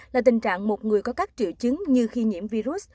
là tình trạng một người có các triệu chứng như khi nhiễm virus